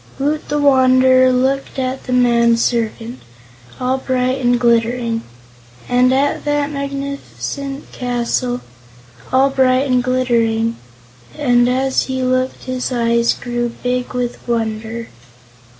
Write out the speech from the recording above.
Woot the Wanderer looked at the man servant all bright and glittering and at the magnificent castle all bright and glittering and as he looked his eyes grew big with wonder.